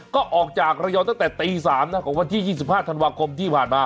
ก็ออกจากระยองตั้งแต่ตี๓ของวันที่๒๕ธันวาคมที่ผ่านมา